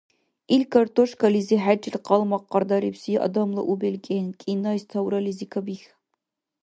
Ил картошкализи хӀечил къалмакъар дарибси адамла у белкӀен, кӀинайс таврализи кабихьа.